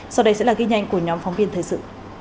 sau đây sẽ là ghi nhanh của nhóm phóng viên thời sự